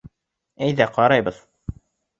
Әйҙә ҡарайбыҙ.